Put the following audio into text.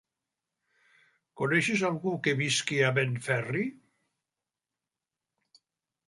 Coneixes algú que visqui a Benferri?